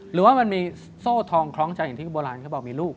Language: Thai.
หรือว่ามันมีโซ่ทองคล้องใจอย่างที่โบราณเขาบอกมีลูก